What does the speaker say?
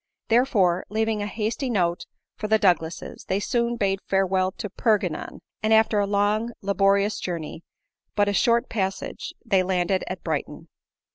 Therefore, leaving a hasty note for the Douglases, they soon bade farewell to Perpignan ; and after a long, laborious journey, but a short passage, .they landed at Brighton.